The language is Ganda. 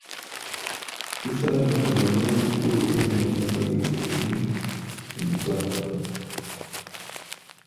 Tusaanye tumanye obukulu bw'enyambala eyo eri Omuganda.